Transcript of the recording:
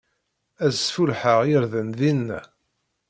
Ad sfullḥeɣ irden dinna.